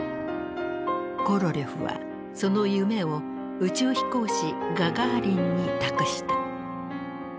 コロリョフはその夢を宇宙飛行士ガガーリンに託した。